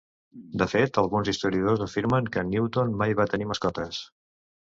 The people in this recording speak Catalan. De fet, alguns historiadors afirmen que Newton mai va tenir mascotes.